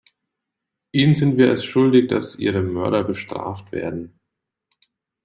Ihnen sind wir es schuldig, dass ihre Mörder bestraft werden.